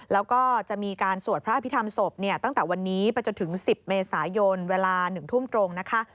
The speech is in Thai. แล้วก็จะมีการสวดพระอภิษฐรรมศพเนี่ยตั้งแต่วันนี้ไปจนถึง๑๐เมษายนเวลา๑ทุ่มตรงนะคะ